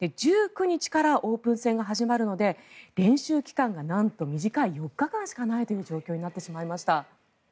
１９日からオープン戦が始まるので練習期間がなんと短い４日間しかないという状況になってしまいました。